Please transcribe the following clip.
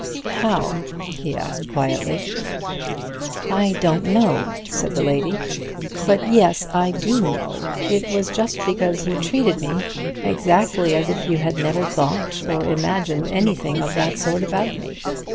"How?" he asked quietly. "I don't know," said the lady. "But yes I do know. It was just because you treated me exactly as if you had never thought or imagined anything of that sort about me.